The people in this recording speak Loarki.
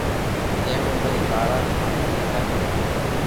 جي مون ٻي مارا ماتا پيتا ھي